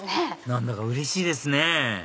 何だかうれしいですね